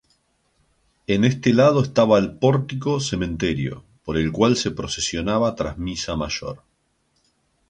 En este lado estaba el pórtico-cementerio por el cual se procesionaba tras misa mayor.